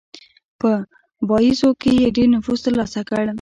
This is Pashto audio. په باییزو کې یې ډېر نفوذ ترلاسه کړ.